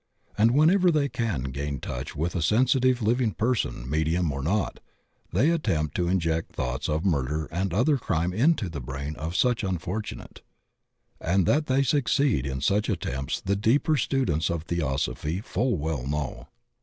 And whenever they can gain touch with a sensitive living person, medium or not, they attempt to inject thoughts of murder and other crime into the brain of such unfortunate. And that they succeed in such attempts the deeper students of Theosophy full well know.